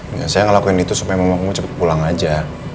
enggak saya ngelakuin itu supaya mamamu cepet pulang aja